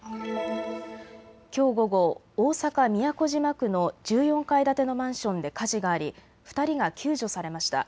きょう午後、大阪都島区の１４階建てのマンションで火事があり２人が救助されました。